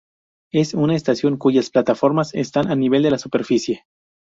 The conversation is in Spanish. Es una estación cuyas plataformas están a nivel de la superficie.